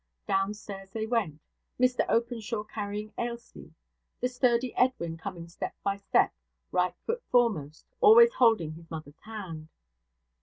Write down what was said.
Downstairs they went, Mr Openshaw carrying Ailsie; the sturdy Edwin coming step by step, right foot foremost, always holding his mother's hand.